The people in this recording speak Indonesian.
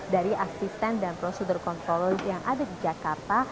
dari asisten dan prosedur kontrol yang ada di jakarta